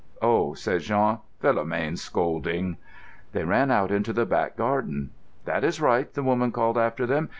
"Oh!" said Jean. "Philomène's scolding!" They ran out into the back garden. "That is right," the woman called after them.